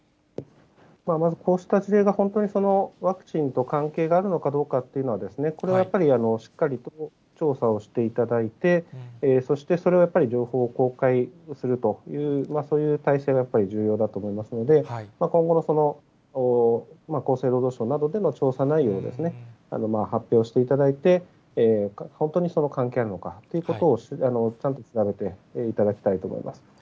こうした事例が本当にワクチンと関係があるのかどうかというのはですね、これはやっぱり、しっかりと調査をしていただいて、そしてそれをやっぱり情報公開をするという、そういう体制がやっぱり重要だと思いますので、今後の厚生労働省などでの調査内容を発表していただいて、本当に関係があるのかということをちゃんと調べていただきたいと思います。